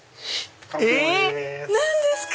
えっ⁉え⁉何ですか